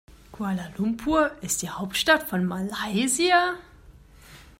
Kuala Lumpur ist die Hauptstadt von Malaysia.